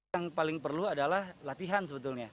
yang paling perlu adalah latihan sebetulnya